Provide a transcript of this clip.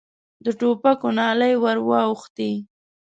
د ټوپکو نلۍ ور واوښتې.